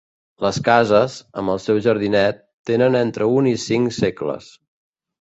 Les cases, amb el seu jardinet, tenen entre un i cinc segles.